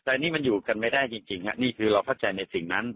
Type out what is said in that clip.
แต่อันนี้มันอยู่กันไม่ได้จริงนี่คือเราเข้าใจในสิ่งนั้น